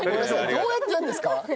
どうやってやるんですか？